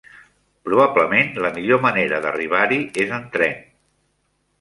Probablement, la millor manera d'arribar-hi és en tren.